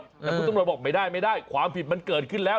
แต่คุณตำรวจบอกไม่ได้ไม่ได้ความผิดมันเกิดขึ้นแล้ว